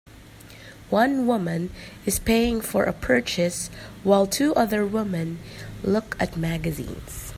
One women is paying for a purchase while two other women look at magazines.